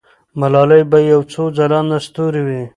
ملالۍ به یو ځلانده ستوری وي.